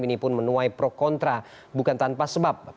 ini pun menuai pro kontra bukan tanpa sebab